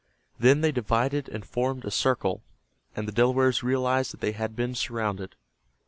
Then they divided and formed a circle, and the Delawares realized that they had been surrounded.